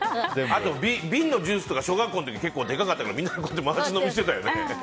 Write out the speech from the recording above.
あと瓶のジュースとか小学校の時結構でかかったからみんな、回し飲みしてたよね。